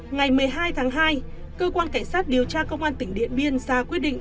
ngày một mươi hai tháng hai cơ quan cảnh sát điều tra công an tỉnh điện biên ra quyết định